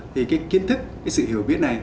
thì cái kiến thức cái sự hiểu biết này